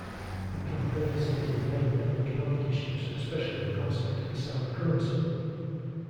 The campaign centered mainly on economic issues, especially the concept of a sound currency.